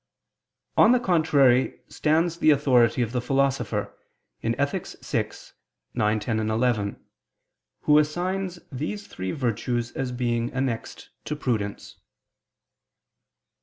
On the contrary, stands the authority of the Philosopher (Ethic. vi, 9, 10, 11), who assigns these three virtues as being annexed to prudence.